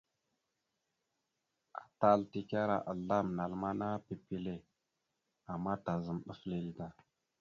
Atal tekara azlam (naləmana) pipile ama tazam ɗaf lele da.